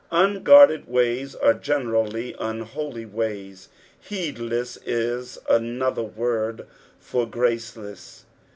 Unguarded ways are generally unholy ones. Heedless is another word for graceless.